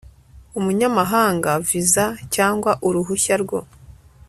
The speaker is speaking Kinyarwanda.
umunyamahanga viza cyangwa uruhushya rwo